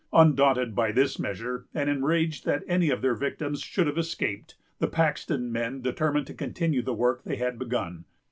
Undaunted by this measure, and enraged that any of their victims should have escaped, the Paxton men determined to continue the work they had begun.